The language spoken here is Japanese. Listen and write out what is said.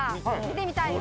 見てみたい。